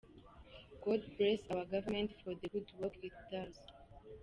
God bless our government for the good work it does.